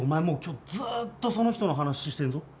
もう今日ずっとその人の話してんぞ